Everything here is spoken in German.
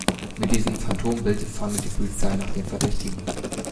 Mit diesem Phantombild fahndet die Polizei nach dem Verdächtigen.